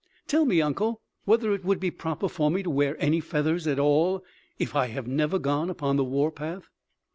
"Tell me, uncle, whether it would be proper for me to wear any feathers at all if I have never gone upon the war path."